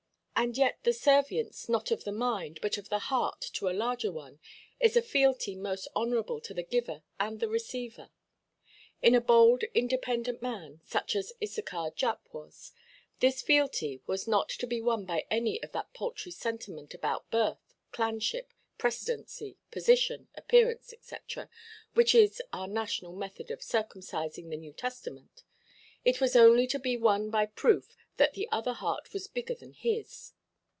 And yet the servience, not of the mind, but of the heart to a larger one, is a fealty most honourable to the giver and the receiver. In a bold independent man, such as Issachar Jupp was, this fealty was not to be won by any of that paltry sentiment about birth, clanship, precedency, position, appearance, &c., which is our national method of circumcising the New Testament—it was only to be won by proof that the other heart was bigger than his.